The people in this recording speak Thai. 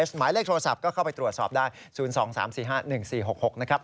หมายเลขโทรศัพท์ก็เข้าไปตรวจสอบได้๐๒๓๔๕๑๔๖๖นะครับ